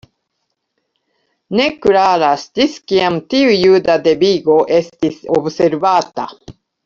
Ne klaras ĝis kiam tiu juda devigo estis observata.